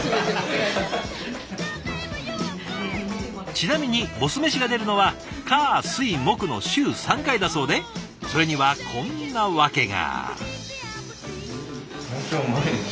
ちなみにボス飯が出るのは火水木の週３回だそうでそれにはこんな訳が。